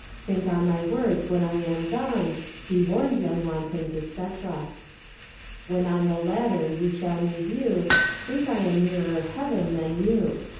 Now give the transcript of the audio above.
Thinke on my words when I am gone. Be warned yong wantons, &c. When on the ladder you shall me view, Thinke I am neerer heaven then you.